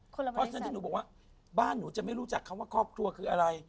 เพราะฉะนั้นที่หนูบอกว่าบ้านหนูจะไม่รู้จักคำว่าครอบครัวคืออะไร